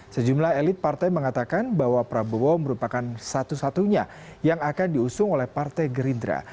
sejumlah elit partai mengatakan bahwa prabowo merupakan satu satunya yang akan diusung oleh partai gerindra